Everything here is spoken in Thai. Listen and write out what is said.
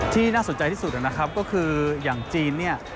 น่าสนใจที่สุดนะครับก็คืออย่างจีนเนี่ย